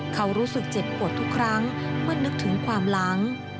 เขารู้สึกเจ็บปวดทุกครั้งเมื่อนึกถึงความหลัง